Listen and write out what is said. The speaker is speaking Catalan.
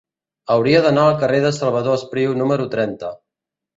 Hauria d'anar al carrer de Salvador Espriu número trenta.